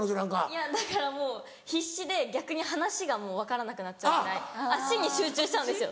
いやだからもう必死で逆に話がもう分からなくなっちゃうくらい足に集中しちゃうんですよ。